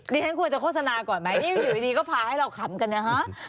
ฉันควรจะโฆษณาก่อนไหมนี่อยู่ดีก็พาให้เราขำกันนะฮะ